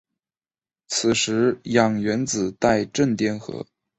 此时氧原子带正电荷。